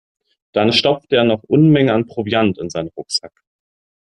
Dann stopfte er noch Unmengen an Proviant in seinen Rucksack.